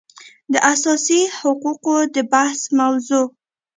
د اساسي حقوقو د بحث موضوع